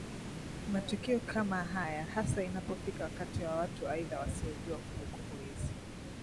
Matukio kama haya hasa inapofika wakati wa watu aidha wasiojua kumbukumbu hizi